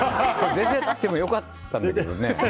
出てっても良かったけどね。